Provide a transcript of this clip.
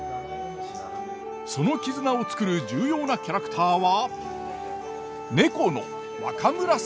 その絆をつくる重要なキャラクターは猫の「若紫」。